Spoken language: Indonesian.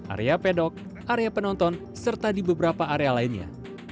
area pedok area penonton serta di beberapa area lainnya